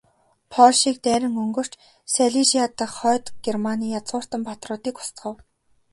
Польшийг дайран өнгөрч, Сайлижиа дахь Хойд Германы язгууртан баатруудыг устгав.